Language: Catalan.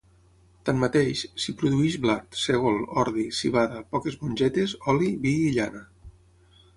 Tanmateix, s'hi produeix blat, sègol, ordi, civada, poques mongetes, oli, vi i llana.